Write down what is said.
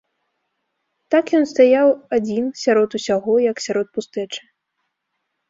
Так ён стаяў адзін сярод усяго, як сярод пустэчы.